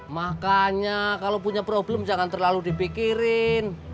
makanya kalau punya problem jangan terlalu dipikirin